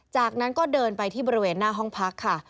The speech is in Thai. จากนั้นก็เดินไปที่บริเวณหน้าห้องพักค่ะ